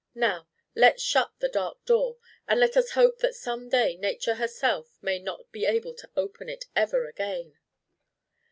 Now let's shut the dark Door! And let us hope that some day Nature herself may not be able to open it ever again!"